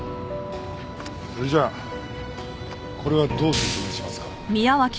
それじゃあこれはどう説明しますか？